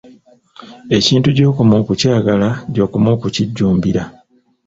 Ekintu gy'okoma okukyagala gy'okoma okukijjumbira.